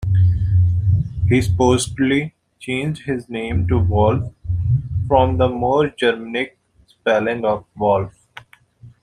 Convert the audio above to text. He supposedly changed his name to 'Woolf' from the more Germanic spelling of Wolf.